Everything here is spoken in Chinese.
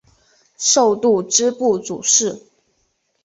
授度支部主事。